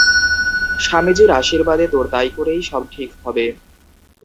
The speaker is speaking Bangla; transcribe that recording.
স্বামীজীর আশীর্বাদে তোর তাই করেই সব ঠিক হবে।